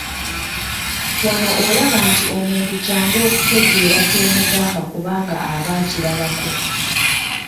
Wano olaba nti omuntu kyangu okutegeera ky’omugamba kubanga aba akirabako.